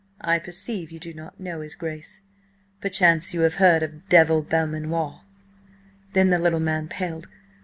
"I perceive you do not know his Grace. Perchance you have heard of Devil Belmanoir?" Then the little man paled.